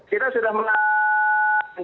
kita sudah melakukan